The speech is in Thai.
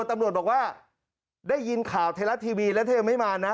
ตำรวจบอกว่าได้ยินข่าวไทยรัฐทีวีแล้วเธอยังไม่มานะ